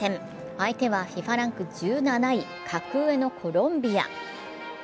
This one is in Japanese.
相手はＦＩＦＡランク１７位、格上のコロンビア。